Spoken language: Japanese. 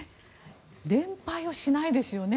連敗をしないですよね。